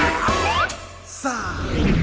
ถ้าหากเบอร์นี้ไม่มีสัญญา